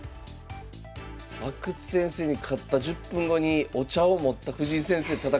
阿久津先生に勝った１０分後にお茶を持った藤井先生と戦う。